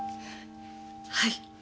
はい。